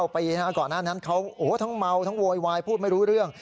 ก่อนหน้านั้นเขาทั้งเมาทั้งโวยวายพูดไม่รู้เรื่อง